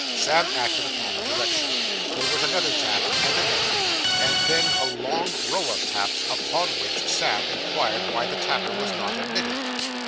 Sam acted upon the direction. There was another tap, and another, and then a long row of taps; upon which Sam inquired why the tapper was not admitted.